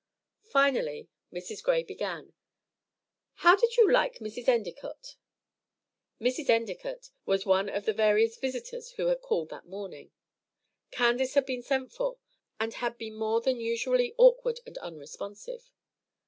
Finally Mrs. Gray began, "How did you like Mrs. Endicott?" Mrs. Endicott was one of various visitors who had called that morning. Candace had been sent for, and had been more than usually awkward and unresponsive.